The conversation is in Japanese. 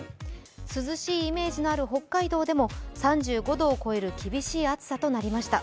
涼しいイメージのある北海道でも３５度を超える厳しい暑さとなりました。